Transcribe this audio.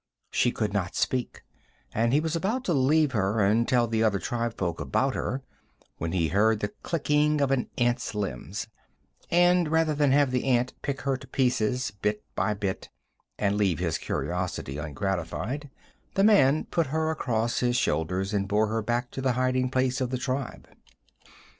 She could not speak, and he was about to leave her and tell the other tribefolk about her when he heard the clicking of an ant's limbs, and rather than have the ant pick her to pieces bit by bit and leave his curiosity ungratified the man put her across his shoulders and bore her back to the hiding place of the tribe.